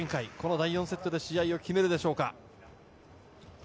第４セットで試合を決めるでしょうか。